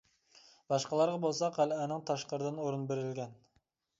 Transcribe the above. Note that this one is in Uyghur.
باشقىلارغا بولسا قەلئەنىڭ تاشقىرىدىن ئورۇن بېرىلگەن.